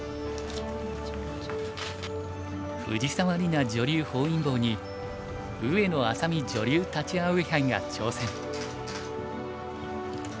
藤沢里菜女流本因坊に上野愛咲美女流立葵杯が挑戦。